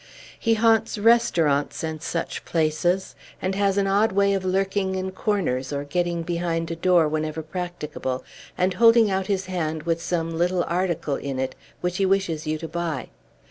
He haunts restaurants and such places, and has an odd way of lurking in corners or getting behind a door whenever practicable, and holding out his hand with some little article in it which he wishes you to buy.